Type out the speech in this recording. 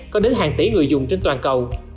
có đến hàng tỷ người dùng trên toàn cầu